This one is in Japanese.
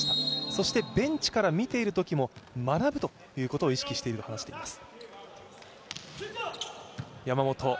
そしてベンチから見ているときも、学ぶことを意識していると話しています。